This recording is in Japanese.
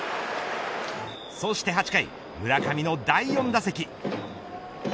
そして８回、村上の第４打席。